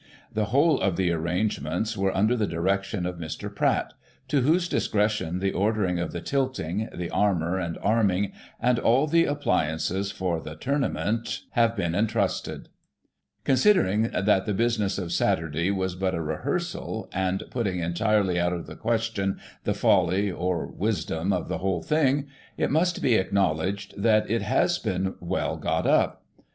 The whole of the arrangements were imder the direction of Mr. Pratt, to whose discretion the ordering of the tilting, the armour and arming, and all the appliances for the tournament have been entrusted. " Considering that the business of Saturday was but a rehearsal, and, putting entirely out of the question the folly, or wisdom, of the whole thing, it must be acknowledged that Digitized by Google •••••••••••••••••••••••• V • 1 I02 GOSSIP. [1839 it has been well got up.